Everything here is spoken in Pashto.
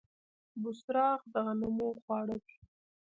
بوسراغ د غنمو خواړه دي.